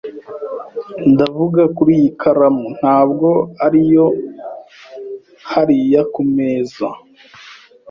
Ndavuga kuri iyi karamu, ntabwo ari iyo hariya ku meza.